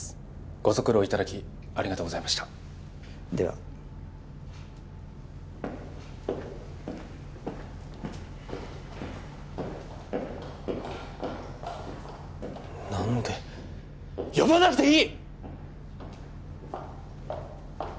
ご足労いただきありがとうございましたでは何で呼ばなくていい！